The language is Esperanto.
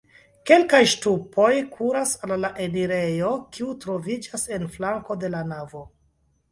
Kelkaj ŝtupoj kuras al la enirejo, kiu troviĝas en flanko de la navo.